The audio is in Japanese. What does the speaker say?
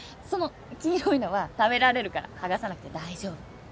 その黄色いのは食べられるから剥がさなくて大丈夫。